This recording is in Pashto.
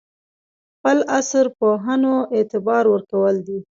خپل عصر پوهنو اعتبار ورکول دي.